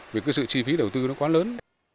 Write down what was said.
vì cái sự chi phí đầu tư nó quá lớn